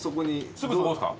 すぐそこですか？